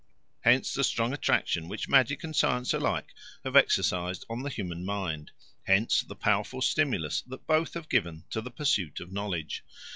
Hence the strong attraction which magic and science alike have exercised on the human mind; hence the powerful stimulus that both have given to the pursuit of knowledge.